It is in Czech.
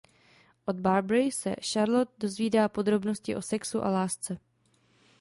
Od Barbary se Charlotte dozvídá podrobnosti o sexu a lásce.